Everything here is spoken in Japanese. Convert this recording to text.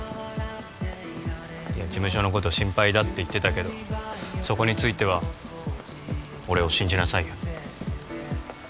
事務所のこと心配だって言ってたけどそこについては俺を信じなさいよ